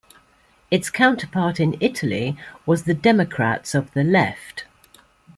Its counterpart in Italy was the Democrats of the Left.